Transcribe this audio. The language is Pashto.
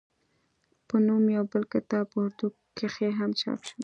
پۀ نوم يو بل کتاب پۀ اردو کښې هم چاپ شو